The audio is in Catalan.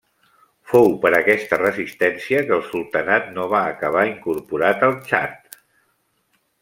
Fou per aquesta resistència que el sultanat no va acabar incorporat al Txad.